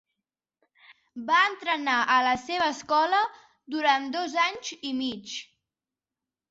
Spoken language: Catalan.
Va entrenar a la seva escola durant dos anys i mig.